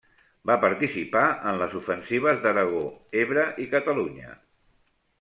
Va participar en les ofensives d'Aragó, Ebre i Catalunya.